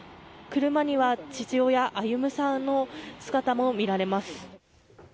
車には父親、歩さんの姿も見られます。